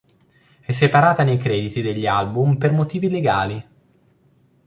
È separata nei crediti degli album per motivi legali.